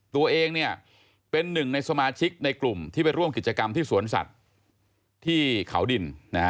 ตัวเองเป็นหนึ่งในสมาชิกในกลุ่มที่ไปร่วมกิจกรรมที่สวนสัตว์ที่เขาดิน